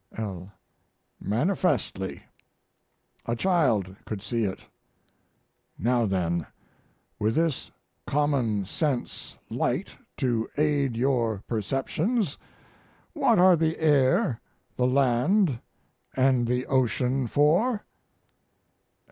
L. Manifestly. A child could see it. Now then, with this common sense light to aid your perceptions, what are the air, the land, and the ocean for?